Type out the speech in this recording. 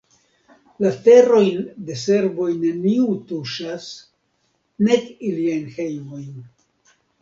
La terojn de serboj neniu tuŝas, nek iliajn hejmojn.